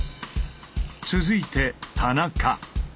続いて田中。